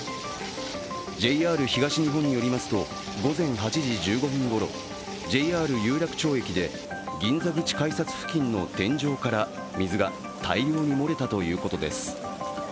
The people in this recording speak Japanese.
ＪＲ東日本によりますと、午前８時１５分ごろ、ＪＲ有楽町駅で銀座口改札付近の天井から水が大量に漏れたということです。